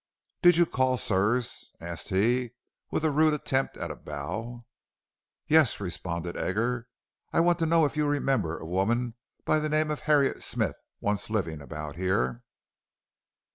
"Did you call, sirs?" asked he, with a rude attempt at a bow. "Yes," responded Edgar, "I wanted to know if you remembered a woman by the name of Harriet Smith once living about here."